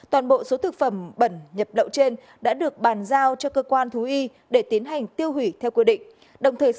toàn bộ số thực phẩm bẩn nhập lậu trên đã được bàn giao cho cơ quan thú y để tiến hành tiêu hủy theo quy định